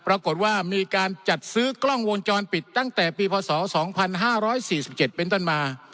ปรากฏว่ามีการจัดซื้อกล้องวงจรปิดตั้งแต่ปีพศ๒๕๔๗เป็นต้นมา